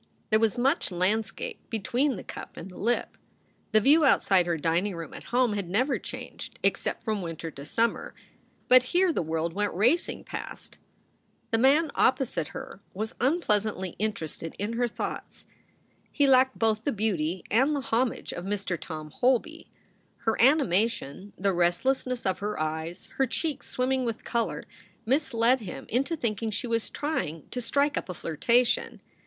There was much landscape between the cup and the lip. The view outside her dining room at home had never changed except from winter to summer. But here the world went racing past. The man opposite her was unpleasantly interested in her thoughts. He lacked both the beauty and the homage of Mr. Tom Holby. Her animation, the restlessness of her eyes, her cheeks swimming with color, misled him into thinking she was trying to strike up a flirtation.